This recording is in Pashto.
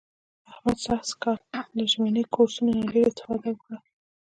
احمد سږ کال له ژمني کورسونو نه ډېره اسفاده وکړه.